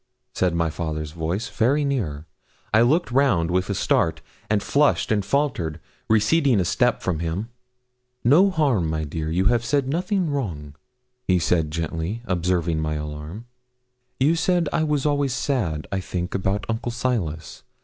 said my father's voice, very near. I looked round, with a start, and flushed and faltered, receding a step from him. 'No harm, dear. You have said nothing wrong,' he said gently, observing my alarm. 'You said I was always sad, I think, about Uncle Silas.